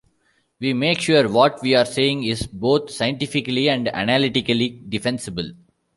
We make sure what we are saying is both scientifically and analytically defensible.